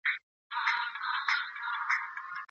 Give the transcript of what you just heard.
ایا کورني سوداګر پسته پلوري؟